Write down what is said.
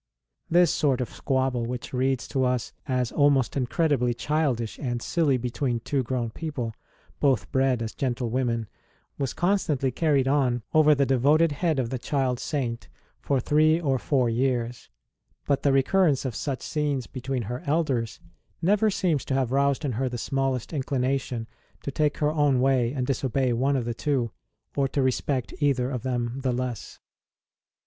This sort of squabble, which reads to us as almost incredibly childish and silly between two grown people, both bred as gentlewomen, was constantly carried on over the devoted head of the child Saint for three or four years ; but the re currence of such scenes between her elders never seems to have roused in her the smallest inclination to take her own way and disobey one of the two, or to respect either of them the less.